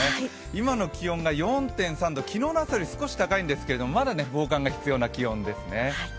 今の気温が４．３度、昨日の朝よりも少し高いんですけれどもまだ防寒が必要な気温ですね。